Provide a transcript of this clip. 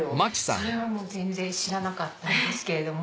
それはもう全然知らなかったんですけれども。